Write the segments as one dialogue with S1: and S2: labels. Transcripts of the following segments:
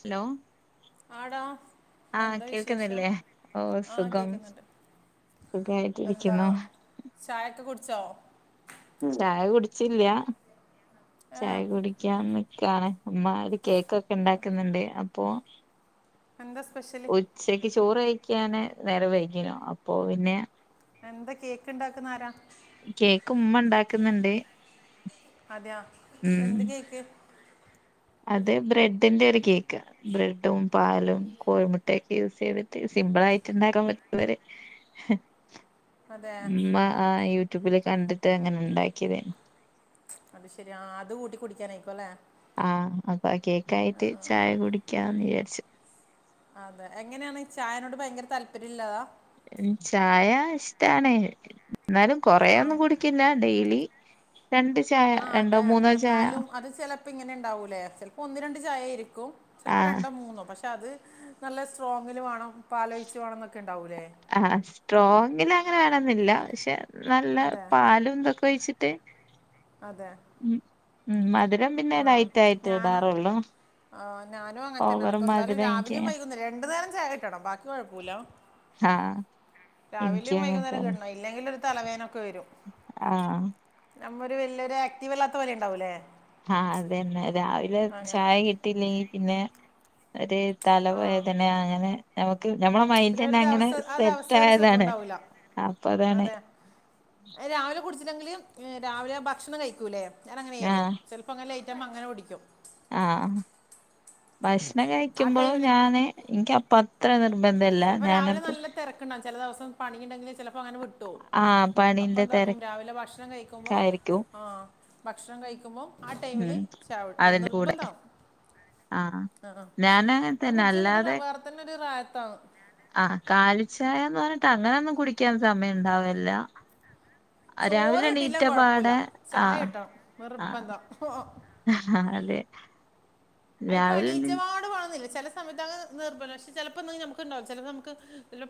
S1: Hello
S2: ആടാ
S1: ആഹ്
S2: എന്താ വിശേഷം
S1: കേൾക്കണില്ലേ ഓ
S2: ആ
S1: സുഖം
S2: കേൾക്കുന്നുണ്ട്
S1: സുഖായിട്ടിരിക്കുന്നു
S2: ചായേക്ക കുടിച്ചോ
S1: ചായ കുടിച്ചില്ല്യാ
S2: ഏ
S1: ചായ കുടിക്കാൻ നിക്കാണ് ഉമ്മാ കേക്കൊക്കെ ഉണ്ടാക്കുന്നുണ്ട് അപ്പോ
S2: എന്താ സ്പെഷ്യല്
S1: ഉച്ചക്ക് ചോറ് കഴിക്കാന് നേരം വൈകിനു അപ്പോ പിന്നെ
S2: എന്താ കേക്ക് ഇണ്ടാക്കുന്ന ആരാ
S1: കേക്ക് ഉമ്മ ഉണ്ടാക്കുന്നുണ്ട്
S2: അതെയോ
S1: ഉം
S2: എന്ത് കേക്ക്
S1: അത് ബ്രെഡിന്റെ ഒരു കേക്ക് ബ്രെഡും പാലും കോഴിമുട്ടെക്കെ യൂസ് ചെയ്തിട്ട് സിമ്പിളായിട്ട് ഇണ്ടാക്കാൻ പറ്റ് വരെ ഹ്
S2: അതെ
S1: ഉമ്മ ആ യൂട്യൂബില് കണ്ടിട്ട് അങ്ങനെ ഉണ്ടാക്കിയതേ
S2: അത് ശെരി ആഹ് അത് കൂട്ടി കുടിക്കാനായിക്കോല്ലേ
S1: ആഹ് അപ്പൊ കേക്കായിട്ട് ചായ കുടിക്കാന്ന് വിചാരിച്ചു
S2: അതെ എങ്ങനെയാണ് ചായനോട് ഭയങ്കര താല്പര്യം ഇളളആളാ
S1: ചായ ഇഷ്ടണേ എന്നാലും
S2: ആ
S1: കൊറേയൊ ന്നും കുടി പിന്ന ഡെയിലി രണ്ട് ചായ രണ്ടോ മൂന്നോ ചായ
S2: ഇപ്പ ഇങ്ങനെ ഉണ്ടാവൂലേ ചിലപ്പോ ഒന്ന് രണ്ട് ചായയായിരിക്കും ചിലപ്പോ
S1: ആഹ്
S2: രണ്ടോ മൂന്നോ പക്ഷെ പക്ഷെ അത് നല്ല സ്ട്രോങ്ങില് വേണം പാലൊഴിച്ച് വേണംന്നൊക്കെ ഉണ്ടാവൂല്ലേ
S1: ആഹ് ആ സ്ട്രോങ്ങില് അങ്ങനെ വേണോന്നില്ല പക്ഷെ നല്ല
S2: അതെ
S1: പാലും ഇതെക്കെ ഒഴിച്ചി ട്ട്
S2: അതെ
S1: ഉം ഊം മധുരം പിന്നെ ലൈറ്റായിട്ട് ഇടാറൊള്ളൂ
S2: ആഹ് ഞാനും അങ്ങനെ തന്നേണ് ക്ക എന്താലും
S1: എനിക്ക്
S2: രാവിലെയും വൈകുന്നേരം രണ്ട് നേരം ചായിട്ടണം ബാക്കി കൊഴപ്പൂല്ല
S1: ആഹ്
S2: രാവിലെയും
S1: എനിക്കും അങ്ങനെ
S2: വൈകുന്നേരം
S1: തന്നെ
S2: കിട്ടണം ഇല്ലെങ്കിലൊരു തലവേനൊക്കെ വരും
S1: ആഹ്
S2: നമ്മൊരു വലിയൊരു ആക്റ്റീവല്ലാത്ത പോലെണ്ടാവൂല്ലേ
S1: ആഹ് അത-ന്നെ രാവിലെ
S2: അങ്ങനെ
S1: ചായ കിട്ടില്ലെങ്കി പിന്നെ ഒര്
S2: ആ
S1: തലവേദനയങ്ങനെ നമുക്ക് നമ്മള
S2: ഉം. പിന്നെ
S1: മൈൻഡ്
S2: ഒരു
S1: ന്നെ അങ്ങനെ
S2: ദിവസം ആ
S1: സെറ്റ്
S2: ദിവസം ഒരു സുഖം
S1: ആയതാണ്
S2: ഉണ്ടാവൂല
S1: അപ്പൊ അതാണ്
S2: അതെ രാവിലെ കുടിച്ചില്ലെങ്കില് രാവിലെ ഭക്ഷണം കഴിക്കൂല്ലേ ഞാന് അങ്ങനെ ചെയ്യല്
S1: ആഹ്
S2: ചെലപ്പം അങ്ങന ലൈറ്റ് ആവുമ്പോ അങ്ങനെ കുടിക്കും
S1: ആഹ് ഭക്ഷണം
S2: ആ
S1: കഴിക്കുമ്പോളും
S2: ടൈമിൽ
S1: ഞാന് എനിക്ക് അ പത് നിർബന്ധല്ല ഞാനപ്പോ
S2: ചെലദിവസം പണിയുണ്ടെങ്കില് ചെലപ്പം അങ്ങനെ വ ട്ടോ
S1: ആ
S2: അപ്പം
S1: പണിന്റെ
S2: എന്താക്കും രാവിലെ ഭക്ഷണം കഴിക്കുമ്പോ
S1: തിരക്കായിരിക്കും
S2: ആഹ് ഭക്ഷണം കഴിക്കുമ്പോം ആ ടൈമില്
S1: ഉം
S2: ചായ കുടിക്കും
S1: അതിന്റെ കൂടെ
S2: നിർബന്ധമാവും
S1: ആ
S2: ആ ഹ് ആഹ്
S1: ഞാന് അങ്ങനെ
S2: അത്
S1: തന്നെ
S2: കുടിച്ച് കഴിയുമ്പോ വേറെ തന്നെ ഒരു റാഹത്താണ്
S1: ആഹ് കാലിച്ചായാന്ന് പറഞ്ഞിട്ട് അങ്ങനൊന്നും കുടിക്കാൻ സമയം ണ്ടാവല്ല
S2: ചോറ് കിട്ടില്ലെങ്കിലും കൊഴപ്പൂല്ല ചായ കിട്ടണം നിർബന്ധം
S1: അഹാ അതെ
S2: അയ്പ്പോ
S1: രാവിലെ എണീ
S2: അണീചപാട് വാണന്നില്ല ചെല [unintelligible] പഷേ ചിലപ്പോ നമുക്കുണ്ടാവും ചില നമുക്കു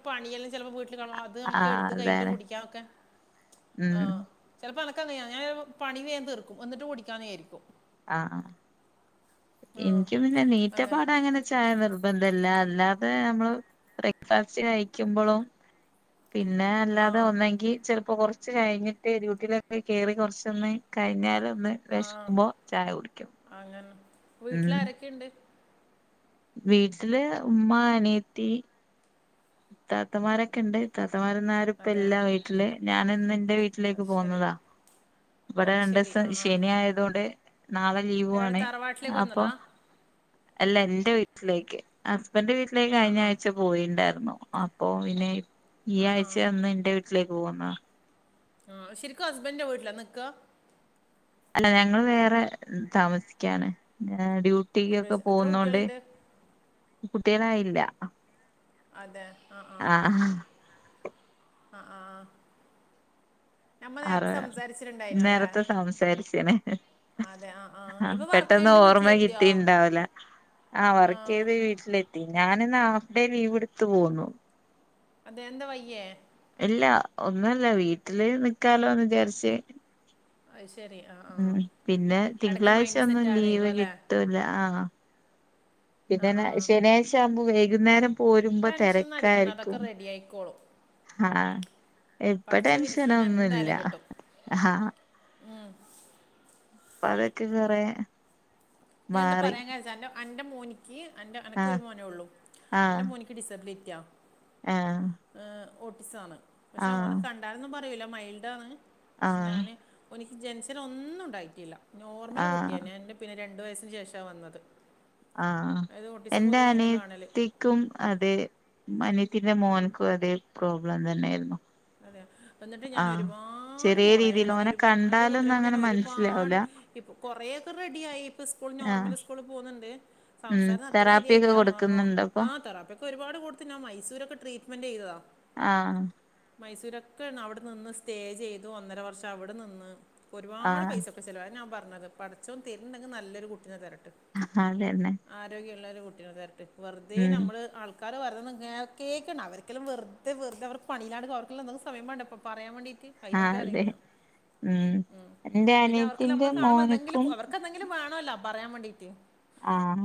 S2: പണിയല്ലാം ചിലപ്പോ വീട്ടിൽ കാണ അത്
S1: ആ
S2: നമുക്ക് എടുത്ത് കഴിഞ്ഞിട്ട്
S1: അതാണ്
S2: കുടിക്കാൻ ഒക്കെ
S1: ഉം
S2: ആഹ് ചെലപ്പോ അനക്കറിയ ഞാൻ പണി വേഗം തീർക്കും എന്നിട്ട് കുടിക്കാനിരിക്കും
S1: ആഹ് ആഹ്
S2: ആ
S1: എനിക്ക് പിന്നെ നീറ്റപ്പാടെ അങ്ങനെ ചായ നിർബന്ധല്ല അല്ലാതെ നമ്മള് ബ്രേക്ക്ഫാസ്റ്റ് കഴിക്കുമ്പളും പിന്നെ
S2: ആ
S1: അല്ലാതെ ഒന്നെങ്കി ചിലപ്പോ കുറച്ച കുറച്ച് കഴിഞ്ഞിട്ട് ഡ്യൂട്ടിലൊക്കെ കേയറി കുറച്ചൊന്ന് കഴിഞ്ഞാലൊന്ന്
S2: ആഹ് അങ്ങനെ വീട്ടില്
S1: ഉം
S2: ആരൊക്കെയുണ്ട്
S1: വീട്ടില് ഉമ്മ അനിയത്തി താത്തമാരൊക്കെണ്ട് താത്തമാര് ഇന്ന് ആരും ഇപ്പം
S2: അതെ
S1: ഇല്ല വീട്ടില് ഞാൻ ഇന്ന് ഇന്റെ വീ ട്ടിലേക്ക്
S2: അത് ശരി
S1: പോകുന്നതാ ഇവിടെ
S2: ഓല
S1: രണ്ട്
S2: ശരി
S1: ഇസം
S2: ആ ആ
S1: ശനി ആയതോണ്ട് നാളെ
S2: എവിടെ
S1: ലീവാണ്
S2: തറവാട്ടിലേക്ക്
S1: അപ്പൊ
S2: വന്നതാ
S1: അല്ല എന്റെ വീട്ടിലേക്ക് ഹസ്ബൻഡിന്റെ വീട്ടിലേക്ക്
S2: ആ
S1: കഴിഞ്ഞ
S2: ആ
S1: ആഴ്ച പോയിണ്ടായിരുന്നു അപ്പൊ പിന്നെ ഈ ആഴ്ച ഇന്ന് ഇന്റെ വീട്ടിലേക്ക് പോകുന്ന
S2: ആ ശരിക്കും ഹസ്ബൻഡിന്റെ വീട്ടിലാ നിക്കാ
S1: അല്ല ഞങ്ങൾ വേറെ താമസിക്കാണ് ഡു ടി
S2: വീട്
S1: ഒക്കെ
S2: വെച്ച് എത്ര
S1: പോകുന്നോണ്ട്
S2: കുട്ടികളുണ്ട്
S1: കുട്ടിയനായില്ല
S2: അതെ ആഹ് ആഹ് ആഹ് ആഹ്
S1: അറ
S2: സംസാരിച്ചിട്ടുണ്ടായിരുന്നു അല്ലേ
S1: നേരത്തെ സംസാരിച്ച്ണ്
S2: അതെ ആ ആ
S1: ആഹ്
S2: ഇപ്പൊ വർക്ക്
S1: പെട്ടന്ന്
S2: കഴിഞ്ഞിട്ട്
S1: ഓർമ്മ
S2: വീട്ടിലെത്തിയോ
S1: കിട്ടിണ്ടാവുല ആ ഹ് വർക്ക് ചെയ്ത് വീട്ടിലെത്തി ഞാന് ഇന്ന് ഹാഫ് ഡേ ലീവ് എടുത്ത് പോന്നു
S2: അതെന്താ വയ്യേ
S1: ഇല്ല ഒന്നുല്ല വീട്ടില് നിക്കാലോന്ന് വിചാരിച്ച്
S2: അയ് ശെരി ആഹ് ആഹ്
S1: ഉം പിന്നെ
S2: എടക്ക്
S1: തിങ്കളാഴ്ച
S2: മൈൻഡ്
S1: ഒന്നും
S2: സെറ്റ് ആകാനാകും അല്ലെ
S1: പിന്നെന്താ ശനിയാഴ്ചിവുമ്പോ വൈകുന്നേരം പോരുമ്പോ
S2: ടെൻഷൻ ഒന്നും അടിക്കണ്ട അതൊക്കെ
S1: തെരക്കായിരിക്കും
S2: റെഡി ആയിക്കോളും
S1: ആഹ് ഇപ്പം
S2: പഠിച്ചോ വിധിച്ചില്ലെങ്കിൽ
S1: ടെൻഷനൊന്നുല്ല
S2: എന്തായാലും കിട്ടും
S1: ആഹ് അപ്പൊ അതൊക്കെ കുറെ
S2: ഞാൻ എന്താ പറയാൻ കാരണം വെച്ച അന്റെ മോനിക്ക് അന്റെ അനക്ക് ഒരു
S1: ആഹ്
S2: മോനേ ഉള്ളു
S1: ആഹ്
S2: അന്റെ മോനി ഡിസിബിലിറ്റിയോ
S1: ആഹ്
S2: ആ ഓട്ടിസാണ് പക്ഷെ
S1: ആഹ്
S2: ഓനെ കണ്ടാലൊന്നും പറയൂല്ല മൈൽഡാണ് പക്ഷെ
S1: ആഹ്
S2: ഞാന് ഒനിക്ക് ജനിച്ചന്ന് ഒന്നും ഉണ്ടായിട്ടില്ല നോർമൽ
S1: ആഹ്
S2: കുട്ടിയാന്ന് ഞാൻ എൻ്റെ പിന്നെ രണ്ട് വയസ്സന് ശേഷമാണ് വന്നത്
S1: ആഹ്
S2: അതായത് ഓട്ടിസം
S1: എൻറെ
S2: പൊതുവെ അങ്ങനെ കാണൽ
S1: അനിയത്തി ക്കും അതെ അനിയത്തിന്റെ മോന്ക്കും അതേ പ്രോബ്ലം തന്നെയായിരുന്നു
S2: അതെയോ എന്നിട്ട് ഞാൻ
S1: ആഹ്
S2: ഒരുപാട്
S1: ചെറിയ
S2: മോളെ ഞാൻ
S1: രീതിയിൽ ഓനെ
S2: ഒരുപാട് അന്റെ
S1: കണ്ടാലൊന്നും
S2: കുട്ടിനെകൊണ്ട്
S1: അങ്ങനെ
S2: ഞാൻ
S1: മനസ്സിലാവൂല
S2: ഒരുപാട് ഇപ്പൊ കൊറെക്കെ റെഡിയായി ഇപ്പ സ്കൂൾ
S1: ആഹ്
S2: നോർമൽ സ്കൂള് പോക്ന്ന്ണ്ട്
S1: ഉം
S2: സംസാരം അത്ര
S1: തെറാപ്പി ഒക്കെ
S2: ശരിയായില്ല ഓഹ്
S1: കൊടുക്കുന്നുണ്ട് അപ്പൊ
S2: ആഹ് തറാപിയൊക്കെ ഒരുപാട് കൊടുത്തി ന് മൈസൂരൊക്കെ ട്രീറ്റ്മെന്റെയ്തതാ
S1: ആഹ്
S2: മൈസൂരൊക്കെയണ് അവ്ടെ നിന്ന് സ്റ്റേ ചെയ്തു ഒന്നര വർഷം അവ്ടെ നിന്ന് ഒരുപാട്
S1: ആഹ്
S2: പൈസ പോ പൈസ ചെലവാണ് ഞാൻ പറഞ്ഞത് പടച്ചോതെരിണ്ടെങ്കി നല്ലൊരു കുട്ടിനെ തരട്ട്
S1: അതെന്നെ
S2: ആരോഗ്യള്ളൊരു കുട്ടിനെ തരട്ട് വെറുതെ
S1: ഉം
S2: നമ്മൾ ആൾക്ക ആൾക്കാർ പറിന്നെ കേൾക്കേക്കണ്ട അവര്ക്കലും വെറ്തെ വെറ്തെ അവർ പണയിലാണ്ട് അവർക്കല്ലോ ന്തെങ്കുസമയം വേണ്ടെപ്പൊ പറയാ വേണ്ടിട്ട് അയ്നോണ്ട്
S1: ആഹ് അതെ
S2: പറയ്ന്ന്യ ഉം
S1: എന്റെ
S2: പിന്നെ
S1: അനിയത്തിന്റെ
S2: അവർക്കല്ലാമ്മളെ കാണുമ്പോ ന്തെങ്കിലും
S1: മോന്ക്കും
S2: അവർക്കന്തെങ്കി എന്തെങ്കിലും വേണല്ലോ പറയാ വേണ്ടീട്ട്
S1: ആഹ്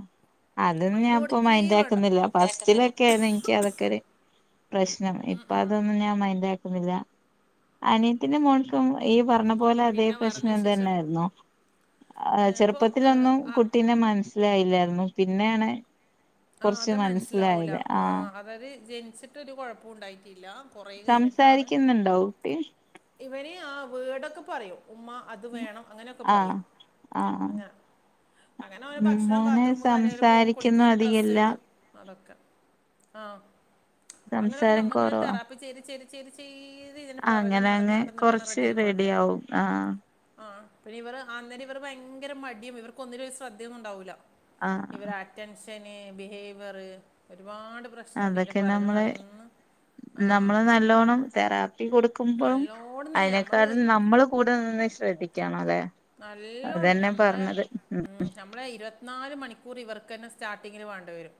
S1: അതും ഞാൻപ്പ
S2: കൊടുക്കേ വേണ്ട
S1: മൈന്റാക്കുന്നില്ല
S2: കേൾക്കുന്നില്ല
S1: ഫസ്റ്റിലൊക്കെെന്നു ഇക്ക് അതൊക്കെരു പ്രശ്നം ഇപ്പൊതൊന്നും ഞാൻ മൈന്റാക്കുന്നില്ല അനിയത്തിന്റെ മോൾക്കും ഈ പറഞ്ഞ പോലെ അതേ
S2: പിന്നെ വേറെന്താ
S1: പ്രശ്നം
S2: വിശേഷം
S1: തന്നായിരുന്നോ ആഹ്
S2: ഇപ്പോൾ
S1: ചെറുപ്പത്തിലൊന്നും കുട്ടീനെ മനസ്സിലായില്ലായിരുന്നു പിന്നെണ്
S2: ആഹ് അത് മനസ്സിലാവൂല ആഹ് അവര് ജനിച്ചിട്ടൊരു കൊഴപ്പുണ്ടായ്റ്റീല്ല
S1: സംസാരിക്ക്ന്നുണ്ടോ കുട്ടി
S2: ഇവന് ആഹ് വേടൊക്കെ പറയും ഉമ്മാ അത് വേണം അങ്ങനെയൊക്കെ
S1: ആഹ്
S2: പറയും
S1: ആഹ്
S2: അങ്ങനെ അങ്ങനെ ഓൻ ഭക്ഷണം
S1: മോന്
S2: ബാത്റൂമ് കാര്യും പോകും
S1: സംസാരിക്കുന്നു
S2: കുളിക്കും ഡ്രസ്സ്
S1: അധികല്ല
S2: ഇടും അതൊക്കെ ആഹ് അങ്ങനൊക്കെ
S1: സംസാരം
S2: നമ്മങ്ങനെ
S1: കുറവാ
S2: തെറാപ്പി ചെയ്ത് ചെയ്ത് ചെയ്ത് ചെയ്ത് ഇതിന് പുറകെ
S1: അങ്ങനെ അങ്ങ്
S2: നടന്ന്ന ടന്നിട്ട് വെണം
S1: കൊറച്ച്
S2: റെഡി ആയിക്കൊണ്ടരാൻ
S1: ആവും ആഹ്
S2: ആഹ് പിന്നെ ഇവറ അന്നേരം ഇവർ ഭയങ്കര മടിയും ഇവർക്കൊന്നിനൊരു ശ്രദ്ധയൊന്നുണ്ടാവൂല്ല
S1: ആഹ്
S2: ഇവരെ അറ്റൻഷന് ബിഹേവെറ് ഒരുപാട് പ്രശ് പ്രശ്നുണ്ട് പിന്നെ
S1: അതൊക്കെ
S2: പെറകെ നടന്ന് ആഹ്
S1: ണ്ടോണം തെറാ പ്പികൊടുക്കുമ്പം
S2: നല്ലോണമെന്നല്ലേ നമ്മൾ
S1: അയ്നെക്കാളും നമ്മൾ കൂടെ നിന്ന് ശ്രദ്ധിക്കണംല്ലെ
S2: നല്ലോണം ഞമ്മളെ ഉം നമ്മളെ ഇരുപത്തി നാല് മണിക്കൂർ ഇവർക്കന്നെ സ്റ്റാർട്ടിങ്ങിൽ വേണ്ടിവരും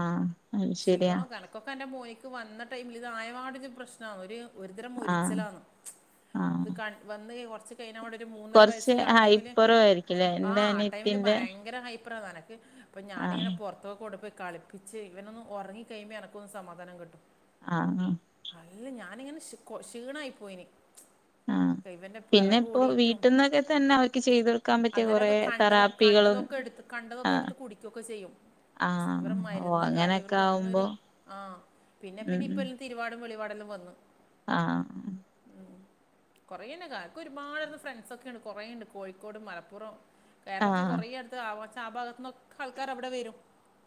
S1: ആഹ് അത് ശരിയാ
S2: ക്ഷീണ ക്കൊക്കെന്റെ മോനിക്ക് വന്ന ടൈമില് ഇതായപാടൊരു പ്രശ്ന ഒരു ഒരുതരം മൊര്
S1: ആഹ്
S2: ച്ച്ലാന്ന് ഇത്
S1: ആഹ്
S2: ക വന്ന് കൊർച്ച് കയ്ഞ്ഞൊടൊരു മൂന്നര
S1: കൊറച്ച്
S2: വയസില് ആ ടൈമില്
S1: ഹൈപ്പറോ ആയിരിക്കുംല്ലേ എന്റെ
S2: ആഹ് ആ ടൈമില്
S1: അനിയത്തിന്റെ
S2: ഭയങ്കര ഹൈപറന്നെനക്ക് അപ്പൊ ഞാനിങ്ങനെ
S1: ആഹ്
S2: പുറത്തൊക്കൂടെ പോയി കളിപ്പിച്ച് ഇവനൊന്ന് ഒറങ്ങി കഴിയ്പോ എനക്കൊന്ന് സമാധം കിട്ടും
S1: ആഹ് ഉം
S2: അല്ല ഞാനിങ്ങനെ ക്ഷീണായി പോയിന്
S1: ആഹ്
S2: ഇവന്റെ
S1: പിന്നെ ഇപ്പോ
S2: പെറകോടിറ്റും
S1: വീട്ടിൽന്നൊക്കെ തന്നെ അവർക്ക് ചെയ്ത് കൊടുക്കാൻ പറ്റിയ കൊറേ
S2: അന്നേരൊക്കെ കണ്ടത്
S1: തെറാപ്പികളും
S2: കണ്ടതൊക്കെടുത്ത് കണ്ടതൊക്കെ
S1: ആഹ്
S2: എടുത്ത് കുടിക്കൊക്കെ ചെയ്യും
S1: ആഹ്
S2: ഇവറെ
S1: ഓ
S2: മരുന്ന് കാര്യം
S1: അങ്ങനെയൊക്കെ
S2: ഇവർക്കൊന്നൊരു
S1: ആവുമ്പോ
S2: ആഹ് പിന്നെ
S1: ഉം
S2: പിന്നെ ഇപ്പ
S1: ഉം
S2: ല തിരുവാടും വെളിവാടെലും വന്ന്
S1: ആഹ്
S2: ഉം കുറേ ണ്ട് കാർക്കൊരുപാട്ന്ന് ഫ്രണ്ട്സൊക്കെണ്ട് കൊറേണ്ട് കോഴിക്കോട് മലപ്പുറം കേരളത്തെ
S1: ആഹ്
S2: കൊറെയടുത്ത് ആ വച്ച ആ ഭാഗത്ത്ന്നൊക്കെ ആൾക്കാരവിടെ വരും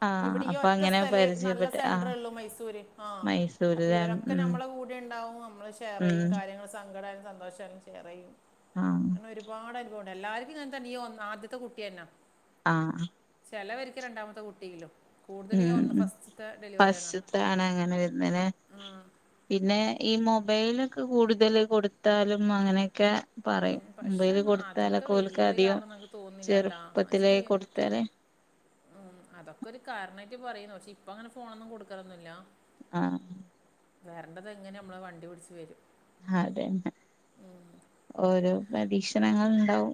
S1: ആഹ്
S2: ഇവിടെയി
S1: അപ്പൊ
S2: ഒറ്റ
S1: അങ്ങനെ
S2: സ്ഥലെ നല്ല
S1: പരിചയപ്പെട്ട് ആഹ്
S2: സെന്റർള്ളു മൈസൂര് ആഹ്
S1: മൈസൂരിലെ
S2: അപിവെര ക്കെ
S1: ഉം
S2: നമ്മളെ കൂടെണ്ടാവും നമ്മളെ ശെ ത്രയും
S1: ഉം
S2: കാര്യങ്ങളും സങ്കടായാലും സന്തോഷായാലും ശെയറെയ്യും
S1: ആഹ്
S2: ഞങ്ങളൊരുപാട ൻക്കോണെ എല്ലാര്ക്കുങ്ങൻതന്ന ഈ ഒഹ് ആദ്യത്തെ കുട്ടിയന്ന
S1: ആഹ്
S2: ചെലവെര്ക്ക് രണ്ടാമത്തെ കുട്ടിയിലും കൂടുതൽ ഈ
S1: ഉം
S2: ഒന്ന് ഫസ്റ്റത്തെ ഡെലിവറി ആണ്
S1: പശുത്താണ് അങ്ങനെ വരുന്ന പിന്നെ ഈ മൊബൈലൊക്കെ കൂടുതല് കൊടുത്താലും അങ്ങനെയൊക്കെ പറയും
S2: ഉം, പക്ഷെ
S1: മുബൈയില് കൊടുത്താല
S2: അതൊക്കെ വലിയൊരു
S1: കൂൽക്കാദ്യം
S2: കാരണം നമുക്ക് തോന്നുന്നില്ല കേട്ടാ
S1: ചെറുപ്പത്തിലേ
S2: വെച്ചാല്
S1: കൊടുത്താലേ
S2: ഉം അതൊക്കെ ഒരു കാരണായിട്ട് പറയുന്നു പക്ഷെ ഇപ്പങ്ങനെ ഫോണൊന്നും കൊടുക്കറൊന്നുല്ല
S1: ആഹ്
S2: വേര്ണ്ടത് എങ്ങനെ നമ്മൾ വണ്ടി പിടിച്ച് വരും
S1: അതെന്നെ ഓരോ പരീക്ഷണങ്ങൾ ഉണ്ടാവും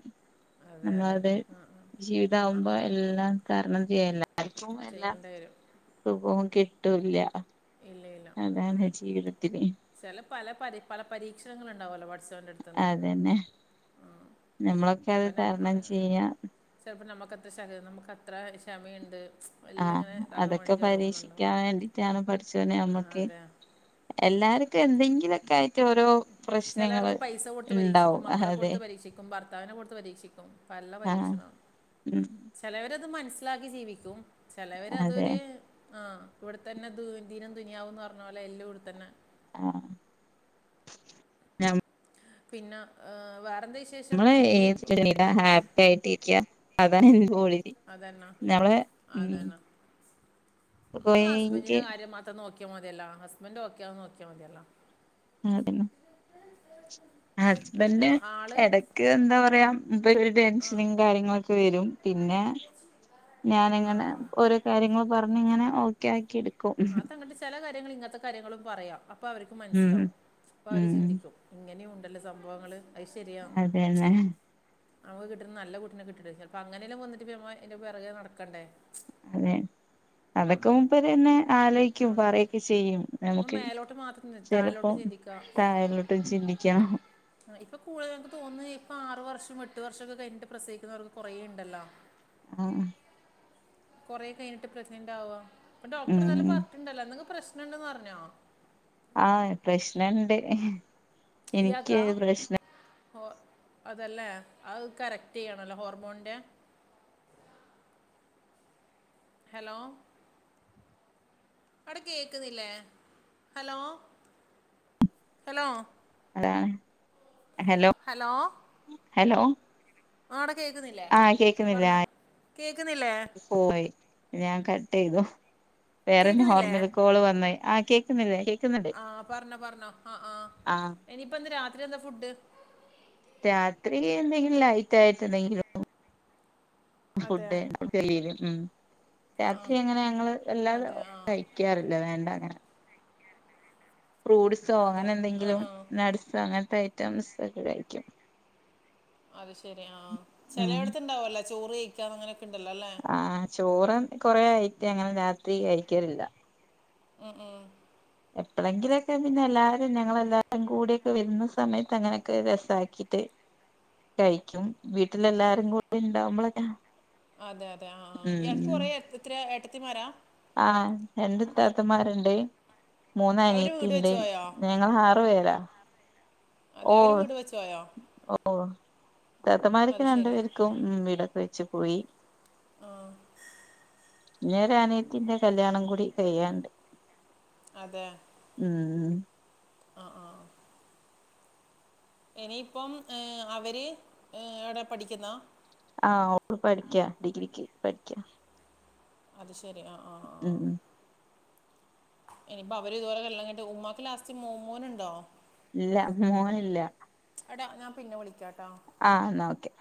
S2: അതെ അതെ
S1: നമ്മളത്
S2: ആ ആ. ആ
S1: ജീവിതകുമ്പോ
S2: ആ
S1: എല്ലാം തരണം ചെയ്യല്ല ആർക്കും എല്ലാം
S2: ചെയ്യേണ്ടി വരും
S1: സുഖവും കിട്ടൂല്ല
S2: ഇല്ലെലോ
S1: [unintelligible]
S2: ഛെല പല പ പരീക്ഷണൾ ഉണ്ടാവുല്ലോ പടച്ചോന്റെട്ത്
S1: അതന്നെ നമ്മളൊക്കെ അത് തരണം ചെയ്യാ
S2: ഛെലപ്പോ നമ്മുക്ക്ത്രമ നമുക്ക് അത്ര ക്ഷമയുണ്ട് എല്ലാം ഇങ്ങനെ
S1: ആഹ്
S2: ഇതാക്കാൻ
S1: അതൊക്കെ
S2: വേണ്ടിയിട്ട് ഓരോന്നുണ്ടാവും
S1: പരീക്ഷിക്കാൻ വേണ്ടിട്ടാണ് പഠിച്ചോനെ നമ്മക്ക്
S2: അതെ
S1: എല്ലാർക്കും എന്തെങ്കിലോക്കെ
S2: ചെലർക്ക് പൈസ കൊടുത്ത് പരീക്ഷിക്കും
S1: ഇണ്ടാവും
S2: മക്കളെ
S1: അതെ
S2: കൊടുത്ത് പരീക്ഷിക്കും ഭർത്താവിനെ കൊടുത്ത് പരീക്ഷിക്കും പല്ല
S1: ആഹ്
S2: പരീക്ഷണം
S1: ഉം
S2: ചെലവരത് മനസ്സിലാക്കി ജീവിക്കും
S1: അതെ
S2: ചെലവരതൊരു ആഹ് ഇവിടെത്തന്നെ ദ ദിനം ദുനയാവുംന്ന് പറഞ്ഞ പോലെ എല്ലാം ഇവിടെത്തന്നെ
S1: ആഹ്
S2: പിന്നെ വേറെന്താ വിശേഷം എനി
S1: എ ഹാപ്പി ആയിട്ടിരിക്ക അതാ എനിക്ക് ളിതി
S2: അതന്നാ അതന്നാ നമ്മള് ഹസ്ബന്റീ
S1: പോയിന്റ്
S2: ന്റെ കാര്യം മാത്ര മ നോക്ക്യ മതിയല്ല ഹസ്ബൻഡ് ഒക്കെആന്ന് നോക്ക്യ മതിയല്ലോ
S1: ആഹ് അതെ
S2: [inaudible] പിന്നെ
S1: ഹസ്ബന്റ്
S2: ആള്
S1: എടക്ക് എന്താ പറയാ ഇപ്പൊ ഇര്
S2: ആ
S1: ടെൻഷനും കാര്യങ്ങളൊക്കെ വരും പിന്നെ ഞാനിങ്ങനെ ഓരോ കാര്യങ്ങള് പറഞ്ഞിങ്ങനെ ഓക്കെ ആക്കി എടുക്കും
S2: അ തങ്ങട്ട് ചില കാര്യങ്ങൾ ഇങ്ങനത്തെ കാര്യങ്ങളും പറയാം അപ്പൊ അവർക്ക്
S1: ഉം
S2: മനസ്സിലാവും അപ്പൊ അവര്
S1: ഉം
S2: ചിന്തിക്കും ഇങ്ങനെയുണ്ടല്ലോ സംഭവങ്ങൾ അത് ശരിയാണ്
S1: അതന്നെ
S2: അവമ്മ കിട്ടുന്ന നല്ലട്ടിനെ കിട്ടപ്പ അങ്ങനെല്ലാം വന്നിട്ട്മ്മ എന്റെ പിറകെ നടക്കണ്ടേ
S1: അതെ അതൊക്കെ മുമ്പരെന്നെ ആലോയ്ക്കും പറയൊക്കെ ചെയ്യും
S2: നമ്മൾ
S1: നമുക്ക്
S2: മേലോട്ട് മാത്രം ചിന്തി-
S1: ചെലപ്പോ
S2: താഴോട്ട് ചിന്തിക്കുക
S1: തായിലോട്ട് ചിന്തിക്കാം
S2: ഇപ്പ കൂടുതൽ ഞങ്ങക്ക് തോന്ന ഇപ്പോ ആറു വർഷം എട്ട് വർഷംക്കെ കഴിഞ്ഞട്ട് പ്രസവിക്കുന്നവർക്ക് കൊറേ ണ്ടല്ലോ
S1: ആഹ്
S2: കൊറെ കഴിഞ്ഞട്ട് പ്രഗ്നന്റ് ആവ അപ്പ ഡോക്ടർ നല്ല
S1: ഉം
S2: പറഞ്ഞിട്ടണ്ടല്ലോ ന്തെങ്ങ് പ്രശ്നംണ്ടെന്ന് പറഞ്ഞോ
S1: ആഹ് പ്രശ്നണ്ട്
S2: ഇയാക്ക
S1: എനിക്ക് പ്രശ്നം
S2: അതല്ലേ അത് കറക്റ്റ് ചെയ്യണല്ലോ ഹോർമോൻ്റെ ഹലോ അവിടെ കേക്കുന്നില്ലേ ഹലോ ഹലോ
S1: അതാണ് ഹലോ ഹലോ
S2: ആട കേക്കുന്നില്ലേ
S1: ആ കേക്കുന്നില്ലേ
S2: പർനൊ
S1: ആ
S2: കേക്കുന്നില്ലേ
S1: പോയി ഞാൻ കട്ടെയ്തു വേറെ
S2: കേക്കുന്നില്ലേ
S1: നോർമ്മൽ കോള് വന്നെയ് ആഹ് കേ ക്ന്നില്ലേ കേ
S2: ആഹ് പർനൊ പർനൊ ആഹ് ആഹ്
S1: ആ
S2: ഇനിയിപ്പ എന്താ രാത്രി എന്താ ഫുഡ്ഡ്
S1: രാത്രി എന്തെങ്കിലും ലൈറ്റ് ആയിട്ട് എന്തെങ്കിലും
S2: അതെ
S1: ഫുഡ്ഡ് [unintelligible] ഉം
S2: ആ ആ
S1: രാത്രി അങ്ങനെ ഞങ്ങള് എല്ലാരും
S2: അതെ ആ
S1: കഴിക്കാറില്ല വേണ്ട അങ്ങനെ ഫ്രൂട്സോ
S2: അതെ
S1: അങ്ങനെ
S2: ആ
S1: എന്തെങ്കിലും
S2: ആ
S1: നട്സോ അങ്ങൻത്തെ ഐറ്റംസ് ഒക്കെ കഴിക്കും
S2: അത് ശെരി ആഹ്
S1: ഉം
S2: ചെലെയെട്ത്തുണ്ടാവല്ലൊ ചോറ് കയ്ക്കാന്ന് അങ്ങനെക്കെണ്ടല്ലോ ലേ
S1: ആഹ് ചോറ കൊറേയായിട്ട് അങ്ങനെ രാത്രി കഴിക്കലില്ല
S2: ഉം ഉം
S1: എപ്പളെങ്കിലൊക്കെ പിന്നെ എല്ലാരും ഞങ്ങളെല്ലാരും കൂടിക്കെ വെര്ന്ന സമയത്ത് അങ്ങനെക്കെ രെസാക്കീട്ട് കഴിക്കും വീട്ടിലെല്ലാരും കൂടി ഇണ്ടാവുമ്പളൊക്കെ
S2: അതെ അതെ ആഹ് ആഹ് ഇയാക്ക്
S1: ഉം
S2: കൊറെ എത്ര ഏട്ടത്തിമാരാ
S1: ആഹ് രണ്ട് ഇത്തത്തമാരിണ്ട്
S2: അവർ വീട്
S1: മൂന്നനിയത്തിണ്ട്
S2: വെച്ച് പോയോ
S1: ഞ ഞങ്ങളാറ് പേരാ
S2: അതെ അവർ
S1: ഓഹ്
S2: വീട് വെച്ച് പോയോ
S1: ഓഹ് ഇത്താത്തമാരൊക്കെ
S2: അത് ശരി
S1: രണ്ടുപേര്ക് ഉം വീടൊക്ക വെച്ച് പോയി
S2: ആഹ്
S1: ഇഞ്ഞൊരനിയത്തിന്റെ കല്യാണം കൂടി കയ്യാണ്ട്
S2: അതെ
S1: ഉം
S2: ആഹ് ആഹ് ഇനീപ്പം ഏഹ് അവര് ഏ അടെ പഠിക്ക്ന്ന
S1: ആഹ് ഓള് പഠിക്ക ഡിഗ്രിക്ക് പഠിക്ക
S2: അത് ശരി ആഹ് ആഹ്
S1: ഉം ഉം
S2: ഇനിപ്പോ അവര് ഇതുപോലെ കല്യാണം കയിൻട്ട് ഉമ്മാക്ക് ലാസ്റ്റ് മൊ മോനിണ്ടോ
S1: ഇല്ല മോനില്ല
S2: എട ഞാൻ പിന്നെ വിളിക്കാട്ടോ
S1: ആഹ് ഇന്നാ ഓക്കെ